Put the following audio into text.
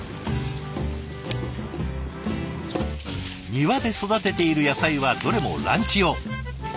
庭で育てている野菜はどれもランチ用。